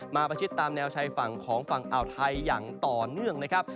ประชิดตามแนวชายฝั่งของฝั่งอ่าวไทยอย่างต่อเนื่องนะครับ